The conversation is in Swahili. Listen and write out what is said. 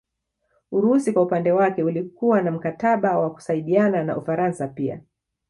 Urusi kwa upande wake ulikuwa na mkataba wa kusaidiana na Ufaransa pia